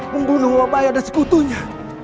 membunuh wabaya dan sekutunya